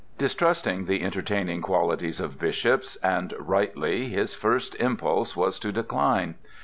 Distrusting the entertaining qualities of bishops, and rightly, his first impulse was to decline.